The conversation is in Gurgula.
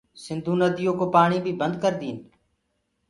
سنڌو نديو ڪو پآڻي بي بند ڪردين